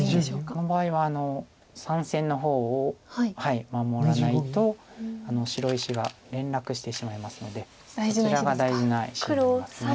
この場合は３線の方を守らないとあの白石が連絡してしまいますのでそちらが大事な石になります。